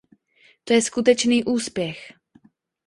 To je skutečný úspěch.